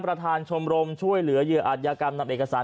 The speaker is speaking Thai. ประธานชมรมช่วยเหลือเหยื่ออาจยากรรมนำเอกสาร